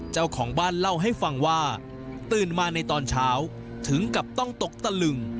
เจ้าของบ้านเล่าให้ฟังว่าตื่นมาในตอนเช้าถึงกับต้องตกตะลึง